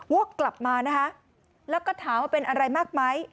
ว่ากลับมาแล้วก็ถามว่าเป็นอะไรมากมั้ย